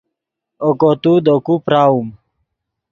اوکو تو دے کو پراؤم